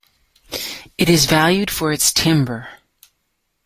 It is valued for its timber.